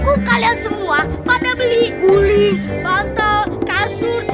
aku kalian semua pada beli guli bantal kasur